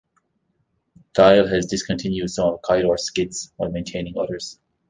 Thile has discontinued some of Keillor's skits, while maintaining others.